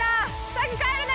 先帰るね！